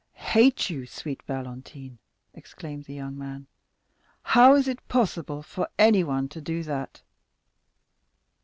"Hate you, sweet Valentine," exclaimed the young man; "how is it possible for anyone to do that?"